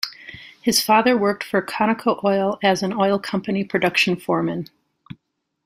His father worked for Conoco Oil as an oil company production foreman.